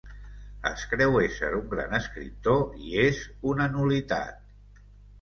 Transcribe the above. Es creu ésser un gran escriptor i és una nul·litat.